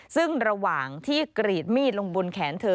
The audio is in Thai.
ซึ่งระหว่างที่กรีดมีดลงบนแขนเธอ